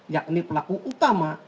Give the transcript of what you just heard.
yakni pelaku utama